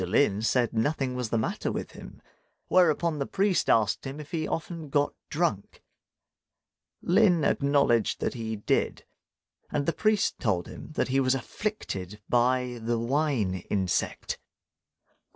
Lin said nothing was the matter with him; whereupon the priest asked him if he often got drunk. Lin acknowledged that he did; and the priest told him that he was afflicted by the wine insect.